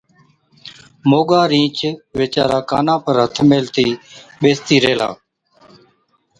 موڳا رِينڇ ويچارا ڪانان پر هٿ ميهلتِي ٻيستِي ريهلا۔